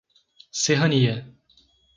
Serrania